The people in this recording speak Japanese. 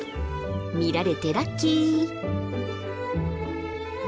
見られてラッキー！